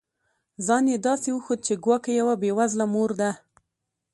ځان یې داسي وښود چي ګواکي یوه بې وزله مور ده